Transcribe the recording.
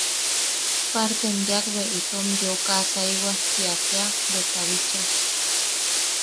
Partem yaak bea itom yeu kaʼasaiwa ¡tia tea! ...bweta bicha...